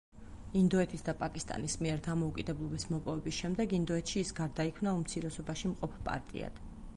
ინდოეთის და პაკისტანის მიერ დამოუკიდებლობის მოპოვების შემდეგ ინდოეთში ის გარდაიქმნა უმცირესობაში მყოფ პარტიად.